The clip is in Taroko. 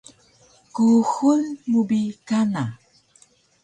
kuxul mu bi kana